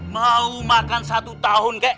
mau makan satu tahun kek